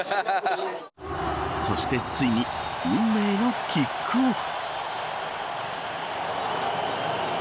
そしてついに運命のキックオフ。